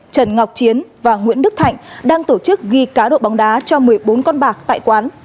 trần ngọc chiến và nguyễn đức thạnh đang tổ chức ghi cá độ bóng đá cho một mươi bốn con bạc tại quán